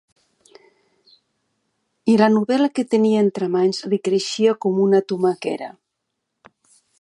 I la novel·la que tenia entre mans li creixia com una tomaquera.